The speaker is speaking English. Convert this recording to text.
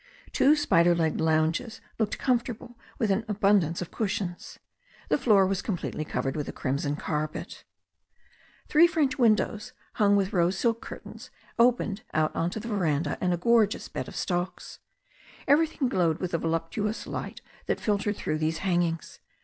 Two spider legged lounges looked comfortable with an abundance of cushions. The floor was completely covered with a crimson carpet. Three French windows, hung with rose silk curtains, opened out on to the veranda and a gorgeous bed of stocks. Everything glowed with the voluptuous light that filtered through those hangings.